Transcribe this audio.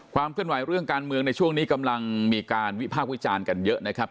เคลื่อนไหวเรื่องการเมืองในช่วงนี้กำลังมีการวิพากษ์วิจารณ์กันเยอะนะครับ